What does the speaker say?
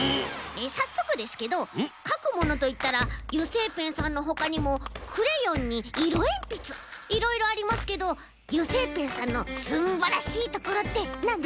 さっそくですけどかくものといったら油性ペンさんのほかにもクレヨンにいろえんぴついろいろありますけど油性ペンさんのすんばらしいところってなんですか？